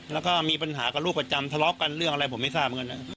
แล้วก็มีปัญหากับลูกประจำทะเลาะกันเรื่องอะไรผมไม่ทราบเหมือนกัน